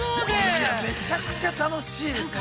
◆いや、めちゃくちゃ楽しいですね。